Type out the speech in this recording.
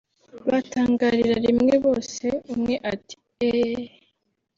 Batangarira rimwe bose umwe ati “Ehhh